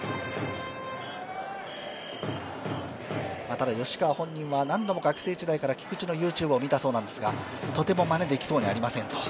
ただ、吉川本人は何度も学生時代から菊池のＹｏｕＴｕｂｅを見たそうなんですが、とてもまねできそうにありませんと。